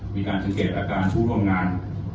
มีการสังเกตอาการผู้ร่วมงาน